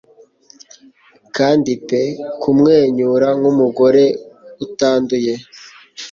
Kandi pe kumwenyura nkumugore utanduye